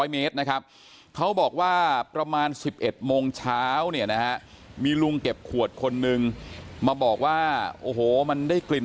เมตรนะครับเขาบอกว่าประมาณ๑๑โมงเช้าเนี่ยนะฮะมีลุงเก็บขวดคนนึงมาบอกว่าโอ้โหมันได้กลิ่น